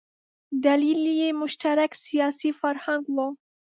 دلیل یې مشترک سیاسي فرهنګ و.